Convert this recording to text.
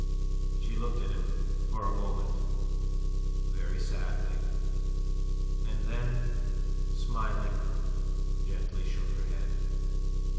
She looked at him for a moment very sadly, and then, smiling, gently shook her head.